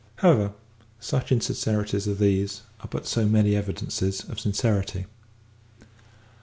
However, such insincerities as these are but so many evidences of sincerity.